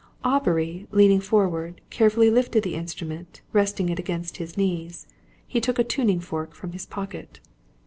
Aubrey, leaning forward, carefully lifted the instrument, resting it against his knees. He took a tuning fork from his pocket.